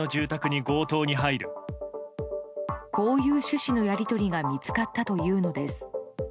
こういう趣旨のやり取りが見つかったというのです。